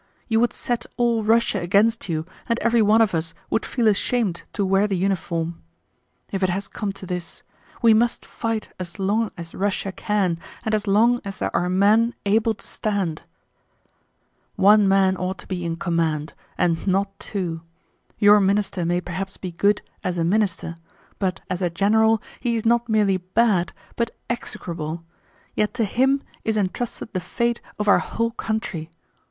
You would set all Russia against you and everyone of us would feel ashamed to wear the uniform. If it has come to this—we must fight as long as Russia can and as long as there are men able to stand.... One man ought to be in command, and not two. Your Minister may perhaps be good as a Minister, but as a general he is not merely bad but execrable, yet to him is entrusted the fate of our whole country....